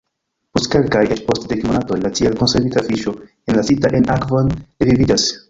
Post kelkaj, eĉ post dek monatoj la tiel konservita fiŝo, enlasita en akvon, reviviĝas.